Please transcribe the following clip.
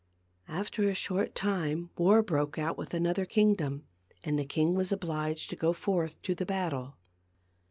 After a short time war broke out with another kingdom, and the king was obliged to go forth to the battle.